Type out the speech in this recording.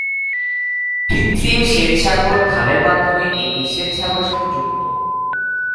কৃত্রিম শ্বেত সাগর খালের মাধ্যমে এটি শ্বেত সাগরের সাথে যুক্ত।